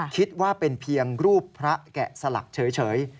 คิดว่าเป็นเพียงรูปพระแกะสลักเฉย